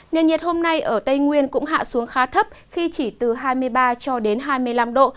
nền nhiệt hôm nay ở tây nguyên cũng hạ xuống khá thấp khi chỉ từ hai mươi ba cho đến hai mươi năm độ